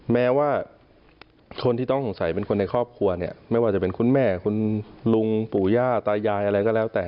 แม้ว่าคนที่ต้องสงสัยเป็นคนในครอบครัวเนี่ยไม่ว่าจะเป็นคุณแม่คุณลุงปู่ย่าตายายอะไรก็แล้วแต่